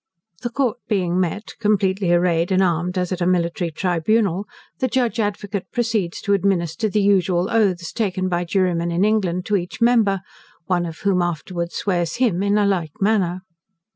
The court being met, completely arrayed and armed as at a military tribunal, the Judge Advocate proceeds to administer the usual oaths taken by jurymen in England to each member; one of whom afterwards swears him in a like manner.